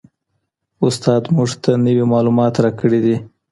استاد موږ ته نوي معلومات راکړي دي.